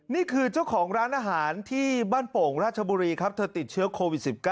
นี่คือเจ้าของร้านอาหารที่บ้านโป่งราชบุรีครับเธอติดเชื้อโควิด๑๙